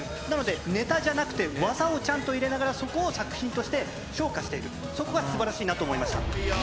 なので、ネタじゃなくて、技をちゃんと入れながら、そこを作品として昇華している、そこがすばらしいなと思いました。